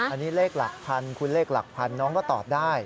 อันนี้เลขหลักพันคุณเลขหลักพันน้องก็ตอบได้